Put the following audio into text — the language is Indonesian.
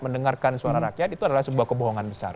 mendengarkan suara rakyat itu adalah sebuah kebohongan besar